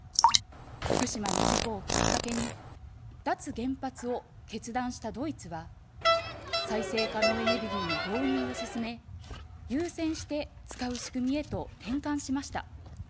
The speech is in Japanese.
福島の事故をきっかけに、脱原発を決断したドイツは、再生可能エネルギーの導入を進め、優先して使う仕組みへと転換しました。